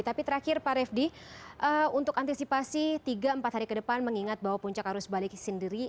tapi terakhir pak refdy untuk antisipasi tiga empat hari ke depan mengingat bahwa puncak arus balik sendiri